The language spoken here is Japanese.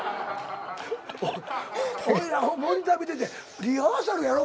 モニター見ててリハーサルやろ？